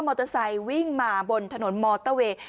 มอเตอร์ไซต์วิ่งมาบนถนนมอเตอร์เวย์